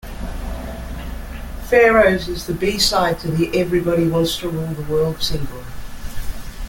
"Pharaohs" is the B-side to the "Everybody Wants to Rule the World" single.